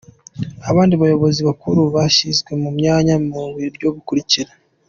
Abandi bayobozi bakuru bashyizwe mu myanya mu buryo bukurikira: